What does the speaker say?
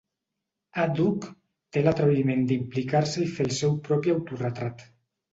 Àdhuc, té l'atreviment d'implicar-se i fer el seu propi autoretrat.